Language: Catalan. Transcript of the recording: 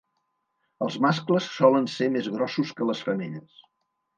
Els mascles solen ser més grossos que les femelles.